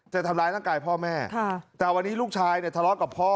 จะทำร้ายร่างกายพ่อแม่แต่วันนี้ลูกชายเนี่ยทะเลาะกับพ่อ